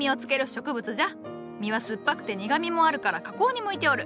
実は酸っぱくて苦みもあるから加工に向いておる。